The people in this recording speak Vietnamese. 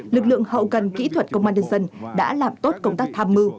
lực lượng hậu cần kỹ thuật công an nhân dân đã làm tốt công tác tham mưu